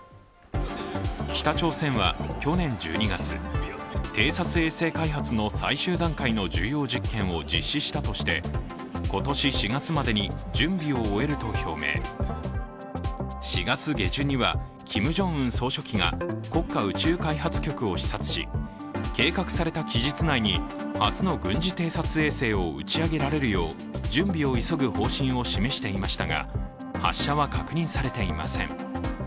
北朝鮮は去年１２月、偵察衛星開発の最終段階の重要実験を実施したとして、今年４月までに準備を終えると表明４月下旬には、キム・ジョンウン総書記が国家宇宙開発局を視察し、計画された期日内に初の軍事偵察衛星を打ち上げられるよう準備を急ぐ方針を示していましたが、発射は確認されていません。